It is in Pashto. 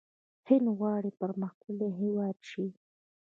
هند غواړي پرمختللی هیواد شي.